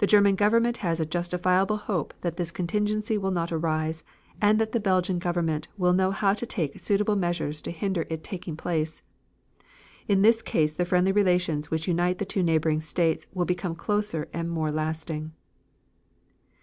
The German Government has a justified hope that this contingency will not arise and that the Belgian Government will know how to take suitable measures to hinder its taking place. In this case the friendly relations which unite the two neighboring states will become closer and more lasting.